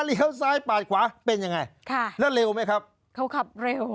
เลี้ยวซ้ายปาดขวาเป็นยังไงค่ะแล้วเร็วไหมครับเขาขับเร็ว